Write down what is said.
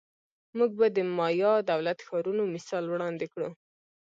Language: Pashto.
موږ به د مایا دولت ښارونو مثال وړاندې کړو